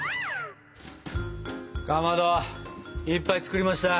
かまどいっぱい作りました。